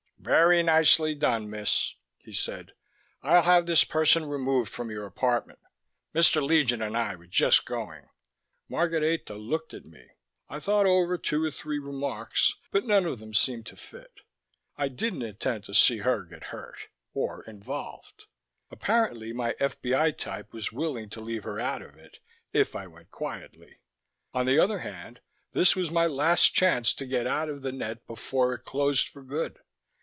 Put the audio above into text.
"Very nicely done, Miss," he said. "I'll have this person removed from your apartment. Mr. Legion and I were just going." Margareta looked at me. I thought over two or three remarks but none of them seemed to fit. I didn't intend to see her get hurt or involved. Apparently my FBI type was willing to leave her out of it, if I went quietly. On the other hand, this was my last chance to get out of the net before it closed for good.